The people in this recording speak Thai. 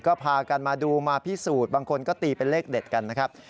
ก็พากันมาดูมาพิสูจน์บางคนก็ตีเป็นเลขเด็ดกันนะครับ